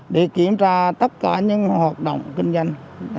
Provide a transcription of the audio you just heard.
để kiểm tra tất cả những hoạt động kinh doanh